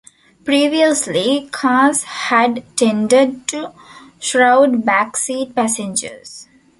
Previously cars had tended to shroud back-seat passengers.